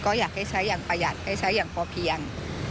ก็อยากให้ใช้อย่างประหยัดให้ใช้อย่างพอเพียง